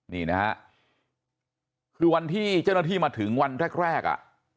นี่นะฮะคือวันที่เจ้าหน้าที่มาถึงวันแรกแรกอ่ะ